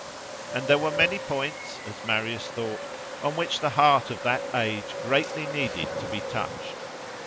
And there were many points, as Marius thought, on which the heart of that age greatly needed to be touched.